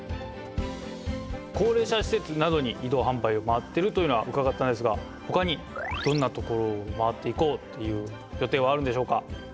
高齢者施設などに移動販売を回ってるというのはうかがったんですがほかにどんなところを回っていこうという予定はあるんでしょうか？